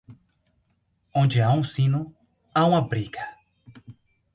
Onde há um sino, há uma briga.